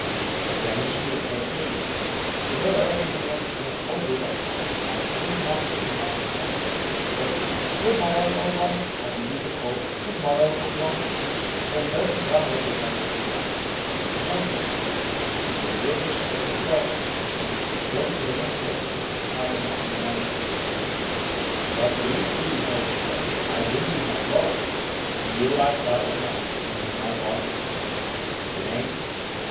A Flemish cure for the ague is to go early in the morning to an old willow, tie three knots in one of its branches, say, "Good morrow, Old One, I give thee the cold; good morrow, Old One," then turn and run away without looking round. In Sonnenberg, if you would rid yourself of gout you should go to a young fir tree and tie a knot in one of its twigs, saying, "God greet thee, noble fir. I bring thee my gout. Here will I tie a knot and bind my gout into it. In the name," etc.